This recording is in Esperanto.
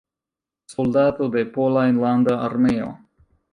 Soldato de Pola Enlanda Armeo.